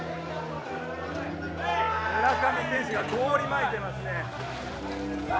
村上選手が氷をまいてますね。